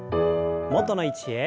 元の位置へ。